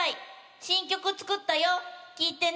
新曲作ったよ聞いてね。